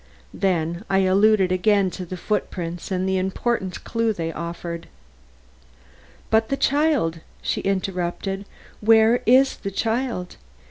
Then I alluded again to the footprints and the important clue they offered. "But the child?" she interrupted. "Where is the child?